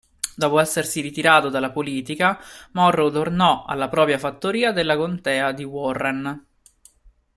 Dopo essersi ritirato dalla politica Morrow tornò alla propria fattoria della contea di Warren.